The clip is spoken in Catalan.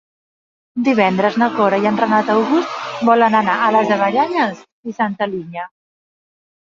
Divendres na Cora i en Renat August volen anar a les Avellanes i Santa Linya.